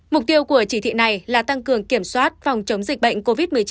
mục tiêu của chỉ thị này là tăng cường kiểm soát phòng chống dịch bệnh covid một mươi chín